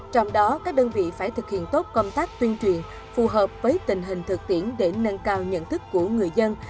trong đó các đơn vị phải thực hiện tốt công tác tuyên truyền phù hợp với tình hình thực tiễn để nâng cao nhận thức của người dân